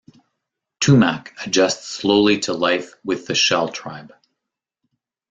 Tumak adjusts slowly to life with the Shell Tribe.